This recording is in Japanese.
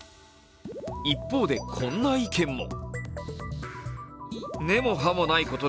一方でこんな意見も。